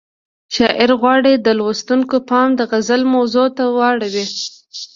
شاعر غواړي د لوستونکو پام د غزل موضوع ته واړوي.